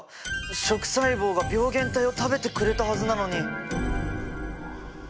食細胞が病原体を食べてくれたはずなのに。